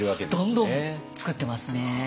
どんどん作ってますね。